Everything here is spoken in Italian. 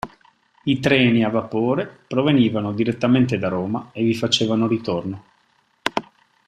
I treni, a vapore, provenivano direttamente da Roma e vi facevano ritorno.